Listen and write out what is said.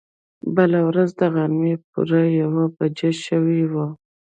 بله ورځ د غرمې پوره يوه بجه شوې وه.